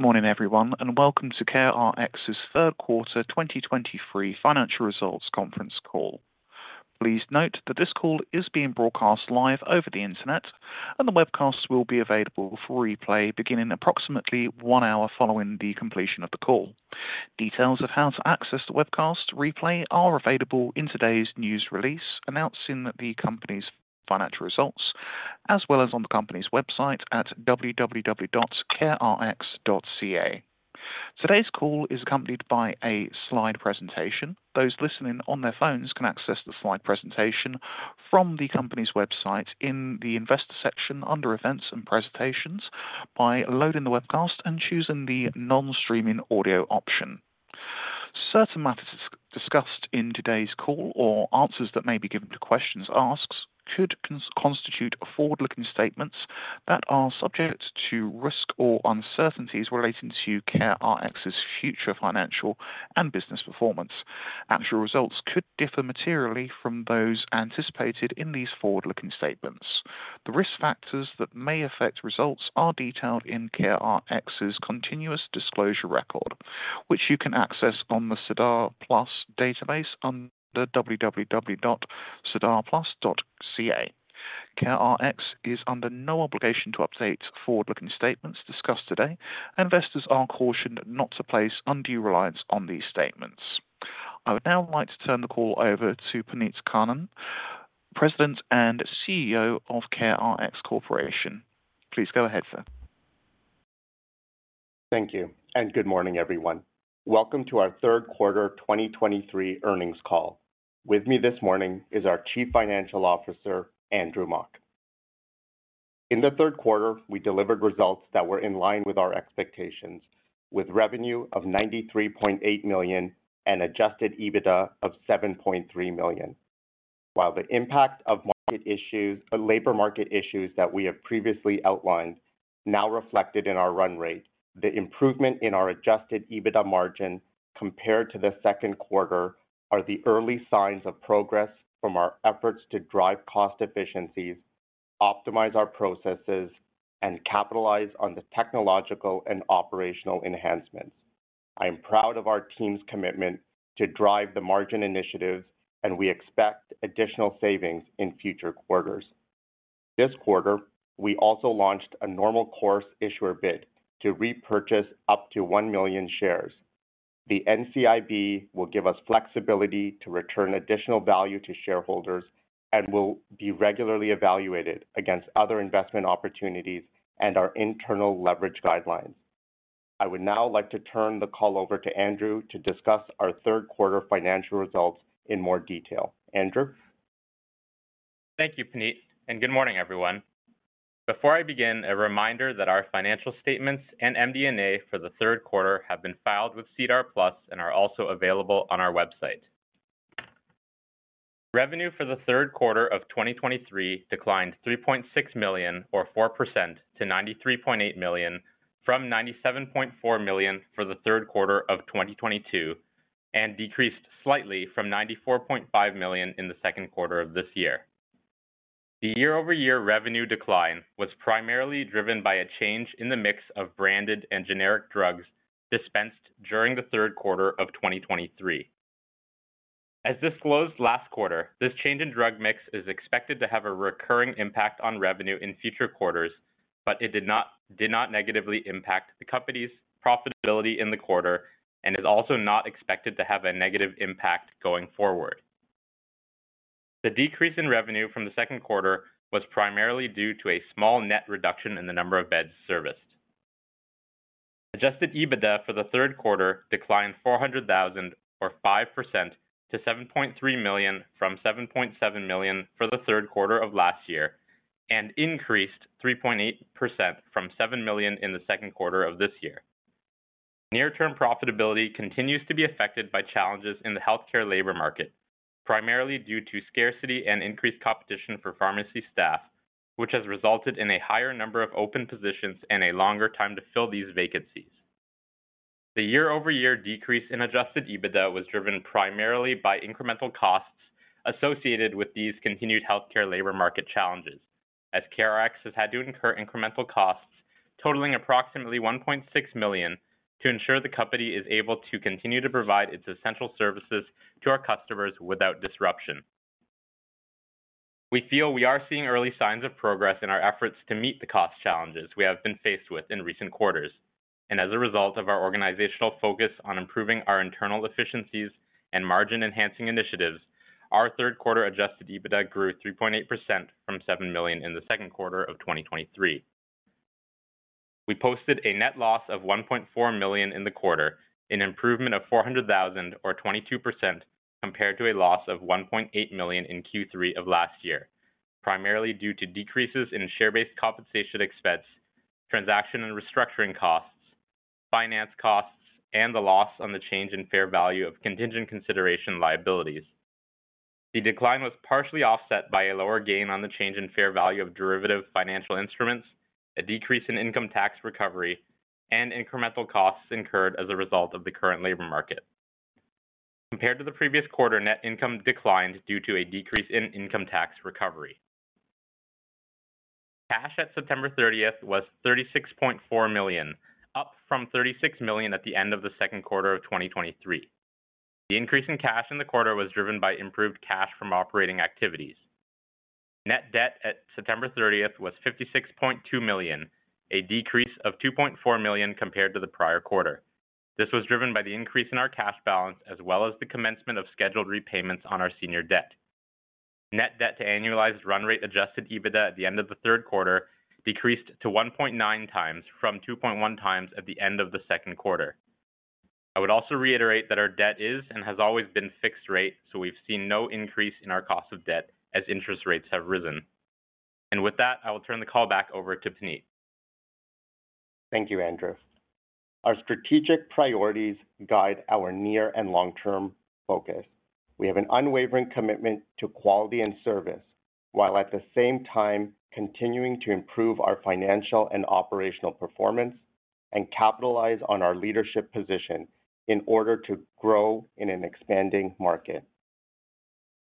Good morning, everyone, and welcome to CareRx's Third Quarter 2023 Financial Results Conference Call. Please note that this call is being broadcast live over the Internet, and the webcast will be available for replay beginning approximately one hour following the completion of the call. Details of how to access the webcast replay are available in today's news release, announcing the company's financial results as well as on the company's website at www.carerx.ca. Today's call is accompanied by a slide presentation. Those listening on their phones can access the slide presentation from the company's website in the Investor section under Events and Presentations by loading the webcast and choosing the non-streaming audio option. Certain matters discussed in today's call or answers that may be given to questions asked could constitute forward-looking statements that are subject to risk or uncertainties relating to CareRx's future financial and business performance. Actual results could differ materially from those anticipated in these forward-looking statements. The risk factors that may affect results are detailed in CareRx's continuous disclosure record, which you can access on the SEDAR+ database under www.sedarplus.ca. CareRx is under no obligation to update forward-looking statements discussed today, and investors are cautioned not to place undue reliance on these statements. I would now like to turn the call over to Puneet Khanna, President and CEO of CareRx Corporation. Please go ahead, sir. Thank you, and good morning, everyone. Welcome to our third quarter 2023 earnings call. With me this morning is our Chief Financial Officer, Andrew Mok. In the third quarter, we delivered results that were in line with our expectations, with revenue of 93.8 million and adjusted EBITDA of 7.3 million. While the impact of market issues, labor market issues that we have previously outlined now reflected in our run rate, the improvement in our adjusted EBITDA margin compared to the second quarter are the early signs of progress from our efforts to drive cost efficiencies, optimize our processes, and capitalize on the technological and operational enhancements. I am proud of our team's commitment to drive the margin initiatives, and we expect additional savings in future quarters. This quarter, we also launched a Normal Course Issuer Bid to repurchase up to 1 million shares. The NCIB will give us flexibility to return additional value to shareholders and will be regularly evaluated against other investment opportunities and our internal leverage guidelines. I would now like to turn the call over to Andrew to discuss our third quarter financial results in more detail. Andrew? Thank you, Puneet, and good morning, everyone. Before I begin, a reminder that our financial statements and MD&A for the third quarter have been filed with SEDAR+ and are also available on our website. Revenue for the third quarter of 2023 declined 3.6 million, or 4%, to 93.8 million from 97.4 million for the third quarter of 2022, and decreased slightly from 94.5 million in the second quarter of this year. The year-over-year revenue decline was primarily driven by a change in the mix of branded and generic drugs dispensed during the third quarter of 2023. As disclosed last quarter, this change in drug mix is expected to have a recurring impact on revenue in future quarters, but it did not negatively impact the company's profitability in the quarter and is also not expected to have a negative impact going forward. The decrease in revenue from the second quarter was primarily due to a small net reduction in the number of beds serviced. Adjusted EBITDA for the third quarter declined 400,000, or 5%, to 7.3 million from 7.7 million for the third quarter of last year and increased 3.8% from 7 million in the second quarter of this year. Near-term profitability continues to be affected by challenges in the healthcare labor market, primarily due to scarcity and increased competition for pharmacy staff, which has resulted in a higher number of open positions and a longer time to fill these vacancies. The year-over-year decrease in adjusted EBITDA was driven primarily by incremental costs associated with these continued healthcare labor market challenges, as CareRx has had to incur incremental costs totaling approximately 1.6 million to ensure the company is able to continue to provide its essential services to our customers without disruption. We feel we are seeing early signs of progress in our efforts to meet the cost challenges we have been faced with in recent quarters, and as a result of our organizational focus on improving our internal efficiencies and margin-enhancing initiatives, our third quarter adjusted EBITDA grew 3.8% from 7 million in the second quarter of 2023. We posted a net loss of 1.4 million in the quarter, an improvement of 400,000 or 22%, compared to a loss of 1.8 million in Q3 of last year, primarily due to decreases in share-based compensation expense, transaction and restructuring costs, finance costs, and the loss on the change in fair value of contingent consideration liabilities. The decline was partially offset by a lower gain on the change in fair value of derivative financial instruments, a decrease in income tax recovery, and incremental costs incurred as a result of the current labor market. Compared to the previous quarter, net income declined due to a decrease in income tax recovery. Cash at September 30th was 36.4 million, up from 36 million at the end of the second quarter of 2023. The increase in cash in the quarter was driven by improved cash from operating activities. Net debt at September 30th was 56.2 million, a decrease of 2.4 million compared to the prior quarter. This was driven by the increase in our cash balance, as well as the commencement of scheduled repayments on our senior debt. Net debt to annualized run rate adjusted EBITDA at the end of the third quarter decreased to 1.9x from 2.1x at the end of the second quarter. I would also reiterate that our debt is, and has always been, fixed rate, so we've seen no increase in our cost of debt as interest rates have risen. With that, I will turn the call back over to Puneet. Thank you, Andrew. Our strategic priorities guide our near and long-term focus. We have an unwavering commitment to quality and service, while at the same time continuing to improve our financial and operational performance and capitalize on our leadership position in order to grow in an expanding market.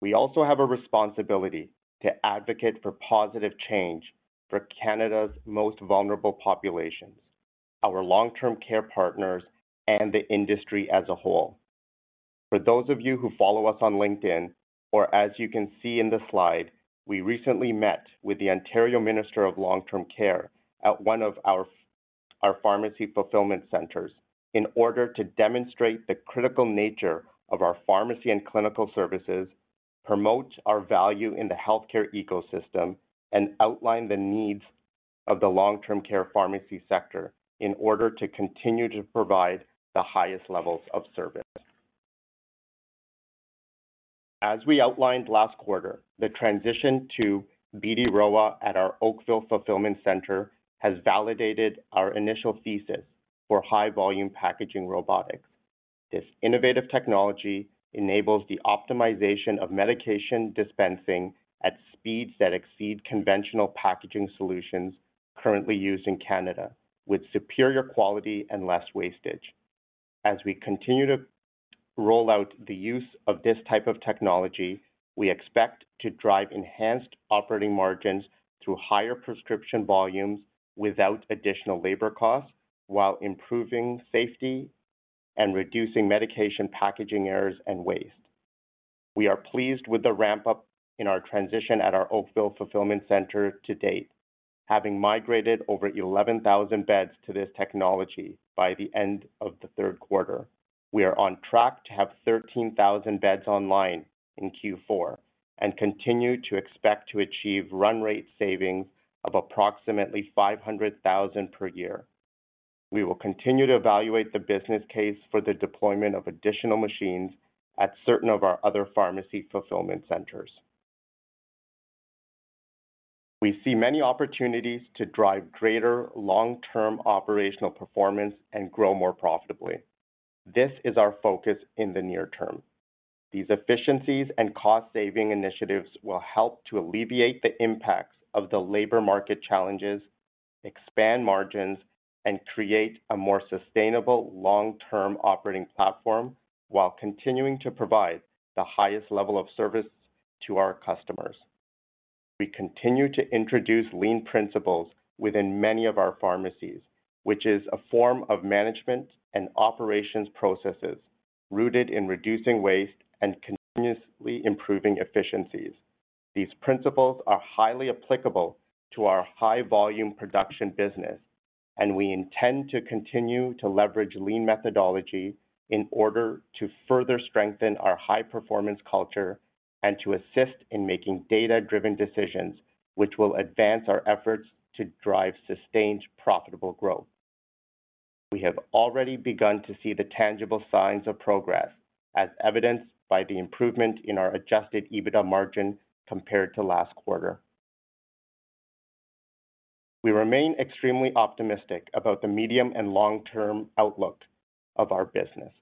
We also have a responsibility to advocate for positive change for Canada's most vulnerable populations, our long-term care partners, and the industry as a whole. For those of you who follow us on LinkedIn, or as you can see in the slide, we recently met with the Ontario Minister of Long-Term Care at one of our pharmacy fulfillment centers in order to demonstrate the critical nature of our pharmacy and clinical services, promote our value in the healthcare ecosystem, and outline the needs of the long-term care pharmacy sector in order to continue to provide the highest levels of service. As we outlined last quarter, the transition to BD Rowa at our Oakville Fulfillment Center has validated our initial thesis for high-volume packaging robotics. This innovative technology enables the optimization of medication dispensing at speeds that exceed conventional packaging solutions currently used in Canada, with superior quality and less wastage. As we continue to roll out the use of this type of technology, we expect to drive enhanced operating margins through higher prescription volumes without additional labor costs, while improving safety and reducing medication packaging errors and waste. We are pleased with the ramp-up in our transition at our Oakville Fulfillment Center to date, having migrated over 11,000 beds to this technology by the end of the third quarter. We are on track to have 13,000 beds online in Q4 and continue to expect to achieve run rate savings of approximately 500,000 per year. We will continue to evaluate the business case for the deployment of additional machines at certain of our other pharmacy fulfillment centers. We see many opportunities to drive greater long-term operational performance and grow more profitably. This is our focus in the near term. These efficiencies and cost-saving initiatives will help to alleviate the impacts of the labor market challenges, expand margins, and create a more sustainable long-term operating platform while continuing to provide the highest level of service to our customers. We continue to introduce Lean principles within many of our pharmacies, which is a form of management and operations processes rooted in reducing waste and continuously improving efficiencies. These principles are highly applicable to our high-volume production business, and we intend to continue to leverage Lean methodology in order to further strengthen our high-performance culture and to assist in making data-driven decisions, which will advance our efforts to drive sustained, profitable growth. We have already begun to see the tangible signs of progress, as evidenced by the improvement in our adjusted EBITDA margin compared to last quarter. We remain extremely optimistic about the medium- and long-term outlook of our business.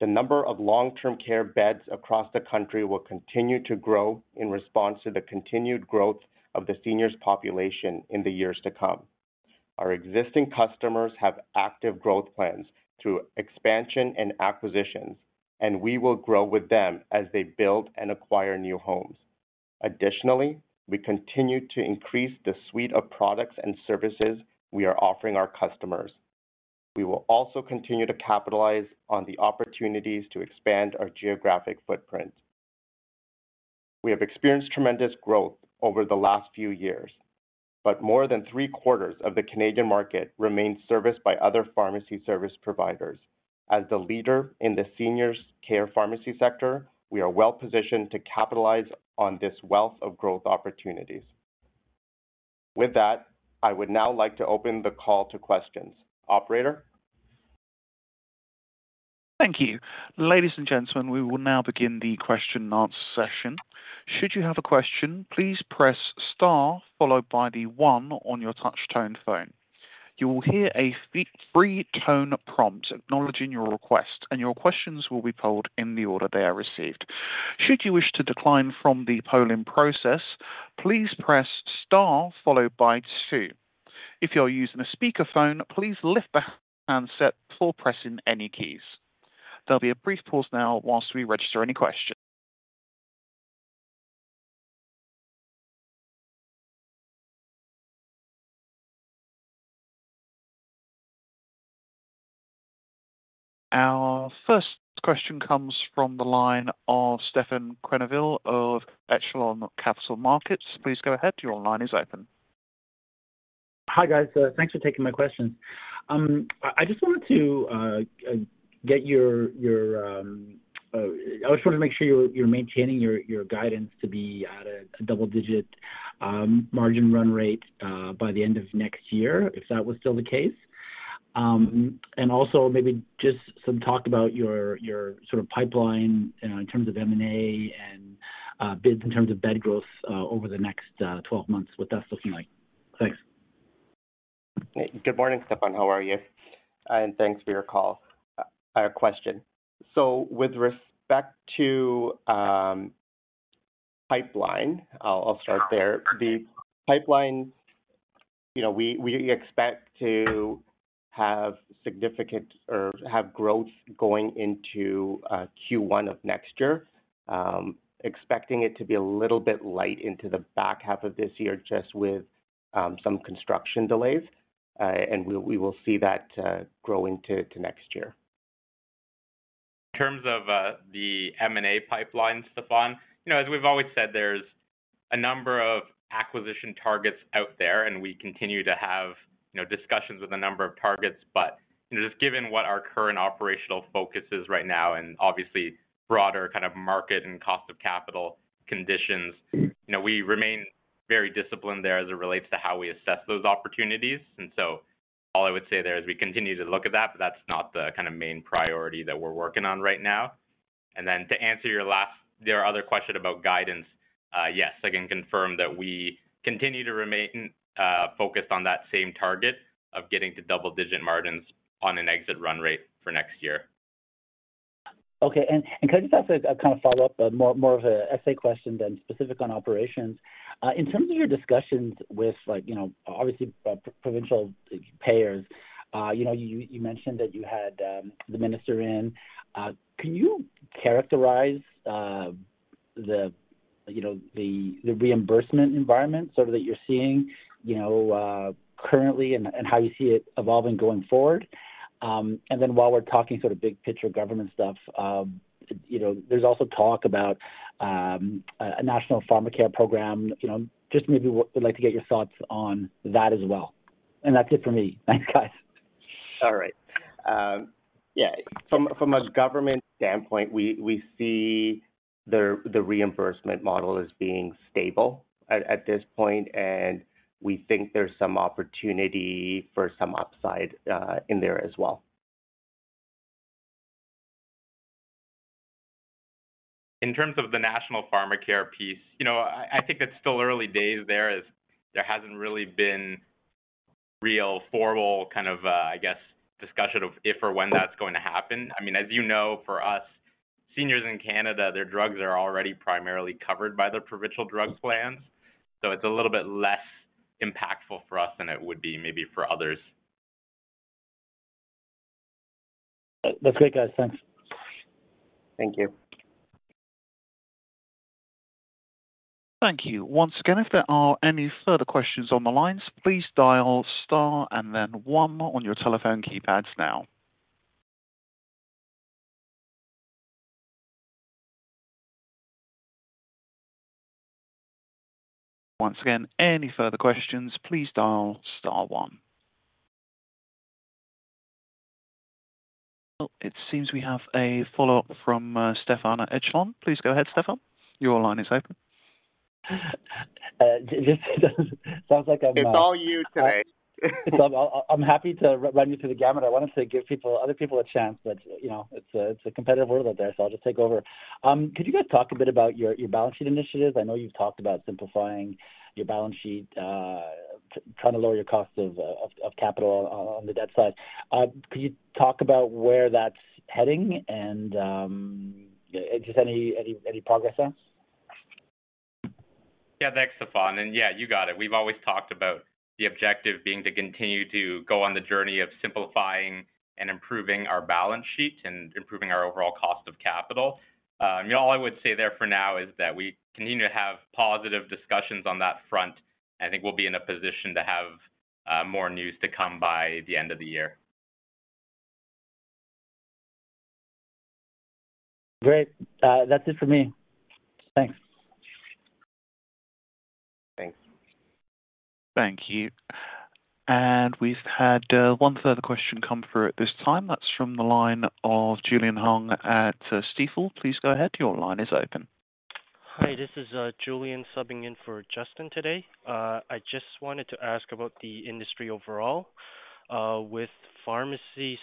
The number of long-term care beds across the country will continue to grow in response to the continued growth of the seniors population in the years to come. Our existing customers have active growth plans through expansion and acquisitions, and we will grow with them as they build and acquire new homes. Additionally, we continue to increase the suite of products and services we are offering our customers. We will also continue to capitalize on the opportunities to expand our geographic footprint. We have experienced tremendous growth over the last few years, but more than three-quarters of the Canadian market remains serviced by other pharmacy service providers. As the leader in the seniors care pharmacy sector, we are well-positioned to capitalize on this wealth of growth opportunities. With that, I would now like to open the call to questions. Operator? Thank you. Ladies and gentlemen, we will now begin the question and answer session. Should you have a question, please press star followed by the one on your touch tone phone. You will hear a three-tone prompt acknowledging your request, and your questions will be polled in the order they are received. Should you wish to decline from the polling process, please press star followed by two. If you are using a speakerphone, please lift the handset before pressing any keys. There'll be a brief pause now whilst we register any questions. Our first question comes from the line of Stefan Quenneville of Echelon Capital Markets. Please go ahead. Your line is open. Hi, guys. Thanks for taking my question. I just wanted to make sure you're maintaining your guidance to be at a double digit margin run rate by the end of next year, if that was still the case. And also maybe just some talk about your sort of pipeline in terms of M&A and bids in terms of bed growth over the next 12 months, what that's looking like. Thanks. Good morning, Stefan. How are you? And thanks for your call, question. So with respect to pipeline, I'll start there. The pipeline, you know, we expect to have significant or have growth going into Q1 of next year. Expecting it to be a little bit light into the back half of this year, just with some construction delays, and we will see that growing to next year. In terms of the M&A pipeline, Stefan, you know, as we've always said, there's a number of acquisition targets out there, and we continue to have, you know, discussions with a number of targets. But, you know, just given what our current operational focus is right now and obviously broader kind of market and cost of capital conditions, you know, we remain very disciplined there as it relates to how we assess those opportunities. And so all I would say there is we continue to look at that, but that's not the kind of main priority that we're working on right now. And then to answer your last, your other question about guidance, yes, I can confirm that we continue to remain focused on that same target of getting to double-digit margins on an exit run rate for next year. Okay. And can I just ask a kind of follow-up, but more of a essay question than specific on operations? In terms of your discussions with like, you know, obviously, provincial payers, you know, you mentioned that you had the minister in. Can you characterize the reimbursement environment sort of that you're seeing, you know, currently, and how you see it evolving going forward? And then while we're talking sort of big picture government stuff, you know, there's also talk about a national pharmacare program. You know, just maybe what-- we'd like to get your thoughts on that as well. And that's it for me. Thanks, guys. All right. Yeah, from a government standpoint, we see the reimbursement model as being stable at this point, and we think there's some opportunity for some upside in there as well. In terms of the national pharmacare piece, you know, I think it's still early days there as there hasn't really been real formal kind of, I guess, discussion of if or when that's going to happen. I mean, as you know, for us, seniors in Canada, their drugs are already primarily covered by the provincial drugs plans, so it's a little bit less impactful for us than it would be maybe for others. That's great, guys. Thanks. Thank you. Thank you. Once again, if there are any further questions on the lines, please dial star and then one on your telephone keypads now. Once again, any further questions, please dial star one. Well, it seems we have a follow-up from Stefan at Echelon. Please go ahead, Stefan. Your line is open. It sounds like I'm-- It's all you today. It's all-- I'm happy to run you through the gamut. I wanted to give people, other people a chance, but, you know, it's a competitive world out there, so I'll just take over. Could you guys talk a bit about your balance sheet initiatives? I know you've talked about simplifying your balance sheet, trying to lower your cost of capital on the debt side. Could you talk about where that's heading and just any progress there? Yeah, thanks, Stefan. And yeah, you got it. We've always talked about the objective being to continue to go on the journey of simplifying and improving our balance sheet and improving our overall cost of capital. And all I would say there for now is that we continue to have positive discussions on that front. I think we'll be in a position to have more news to come by the end of the year. Great. That's it for me. Thanks. Thanks. Thank you. And we've had one further question come through at this time. That's from the line of Julian Hung at Stifel. Please go ahead. Your line is open. Hi, this is Julian subbing in for Justin today. I just wanted to ask about the industry overall. With pharmacy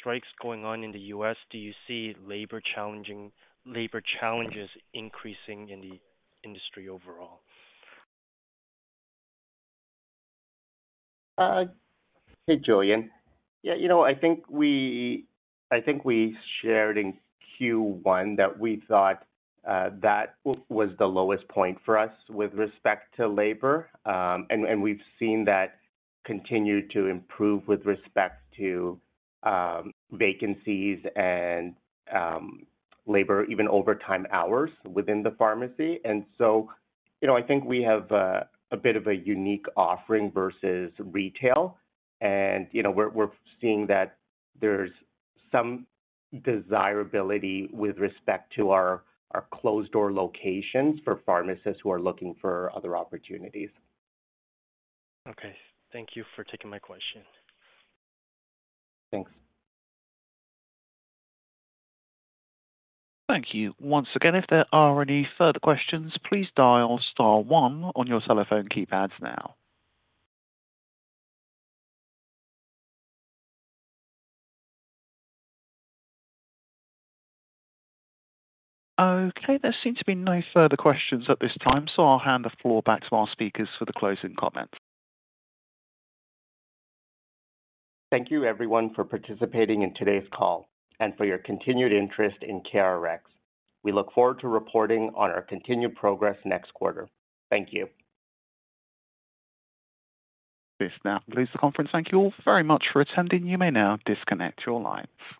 strikes going on in the U.S., do you see labor challenges increasing in the industry overall? Hey, Julian. Yeah, you know, I think we, I think we shared in Q1 that we thought that was the lowest point for us with respect to labor. And we've seen that continue to improve with respect to vacancies and labor, even overtime hours within the pharmacy. And so, you know, I think we have a bit of a unique offering versus retail. And, you know, we're seeing that there's some desirability with respect to our closed-door locations for pharmacists who are looking for other opportunities. Okay. Thank you for taking my question. Thanks. Thank you. Once again, if there are any further questions, please dial star one on your telephone keypads now. Okay, there seems to be no further questions at this time, so I'll hand the floor back to our speakers for the closing comments. Thank you, everyone, for participating in today's call and for your continued interest in CareRx. We look forward to reporting on our continued progress next quarter. Thank you. This now concludes the conference. Thank you all very much for attending. You may now disconnect your lines.